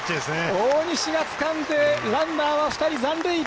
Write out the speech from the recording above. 大西がつかんでランナーは２人、残塁！